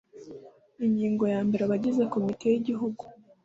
Ingingo ya mbere Abagizi Komite y Igihugu